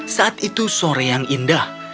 saat itu sore yang indah